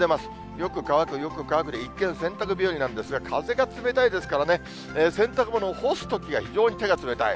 よく乾く、よく乾くで、一見、洗濯日和なんですが、風が冷たいですからね、洗濯物を干すときが、非常に手が冷たい。